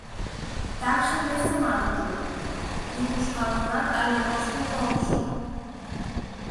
Такшым весымат ужыт: ик ушкалынат але коштмыжо ок шу.